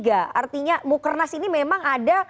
artinya mukernas ini memang ada